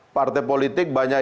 partai politik banyak